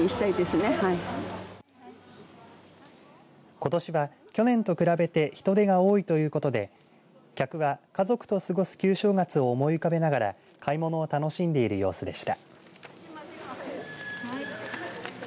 ことしは去年と比べて人出が多いということで客は家族と過ごす旧正月を思い浮かべながら買い物を楽しんでいる様子でした。